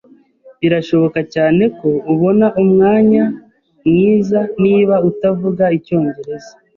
Birashoboka cyane ko ubona umwanya mwiza niba utavuga icyongereza.